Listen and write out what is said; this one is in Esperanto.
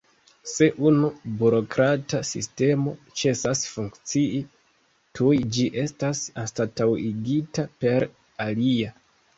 Se unu burokrata sistemo ĉesas funkcii, tuj ĝi estas anstataŭigita per alia.